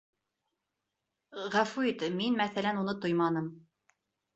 Ғәфү ит, мин, мәҫәлән, уны тойманым.